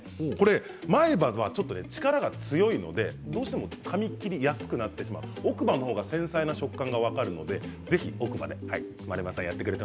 前歯では力が強いのでどうしてもかみ切りやすくなってしまう、奥歯の方が繊細な食感が分かるのでぜひ奥歯でやってください。